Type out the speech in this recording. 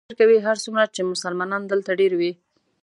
دوی فکر کوي هرڅومره چې مسلمانان دلته ډېر وي.